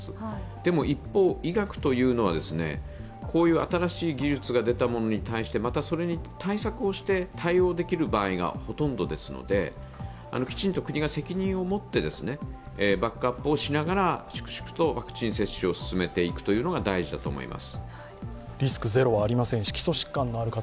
でも一方、医学というのはこういう新しい技術が出たものに対してまたそれに対策をして対応できる場合がほとんどですのできちんと国が責任を持ってバックアップをしながら粛々とワクチン接種を進めていくのが大事だと思います。